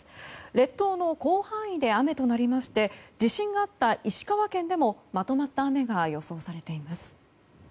列島の広範囲で雨となりまして地震があった石川県でもまとまった雨が予想されています。